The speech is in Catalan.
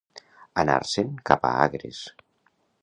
Anar-se'n cap a Agres.